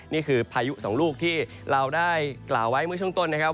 นี่คือพายุสองลูกที่เราได้กล่าวไว้เมื่อช่วงต้นนะครับ